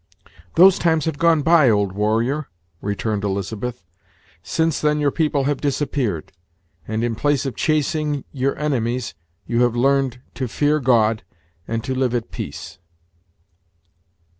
"Those times have gone by, old warrior," returned Elizabeth; "since then your people have disappeared, and, in place of chasing your enemies, you have learned to fear God and to live at peace."